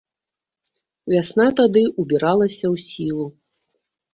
Вясна тады ўбіралася ў сілу.